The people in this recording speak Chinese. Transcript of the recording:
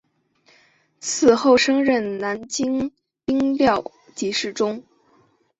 此后升任南京兵科给事中。